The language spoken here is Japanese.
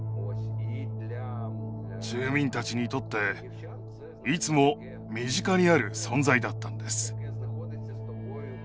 住民たちにとっていつも身近にある存在だったんです。